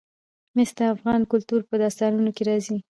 مس د افغان کلتور په داستانونو کې راځي.